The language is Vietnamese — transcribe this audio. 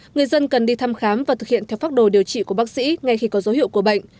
người dân cần đi thăm khám và thực hiện theo pháp đồ điều trị của bác sĩ ngay khi có dấu hiệu của bệnh